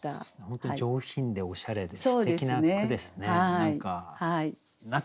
本当に上品でおしゃれですてきな句ですね。